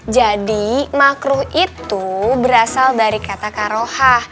jadi makruh itu berasal dari kata karoha